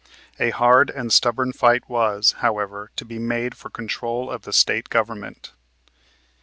A hard and stubborn fight was, however, to be made for control of the State Government.